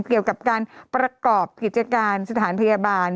เกี่ยวกับการประกอบกิจการสถานพยาบาล